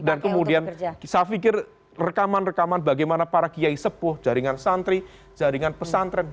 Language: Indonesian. dan kemudian saya pikir rekaman rekaman bagaimana para kiai sepuh jaringan santri jaringan pesantren